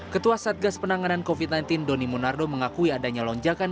ketua satgas penanganan covid sembilan belas doni monardo mengakui adanya lonjakan